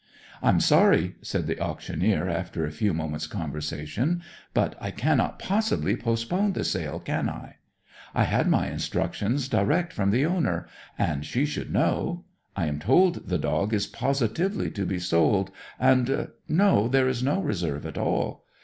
"I'm sorry," said the auctioneer, after a few moments' conversation; "but I cannot possibly postpone the sale, can I? I had my instructions direct from the owner, and she should know. I am told the dog is positively to be sold, and No, there is no reserve at all.